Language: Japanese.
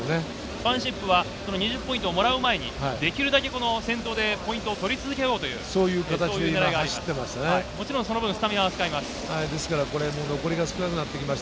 ファンシップは２０ポイントもらう前にできるだけ先頭でポイントを取り続けようという狙いがあります。